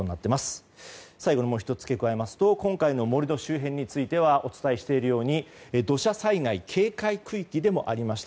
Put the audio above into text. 最後に、もう１つ付け加えますと今回の盛り土周辺についてはお伝えしているように土砂災害警戒区域でもありました。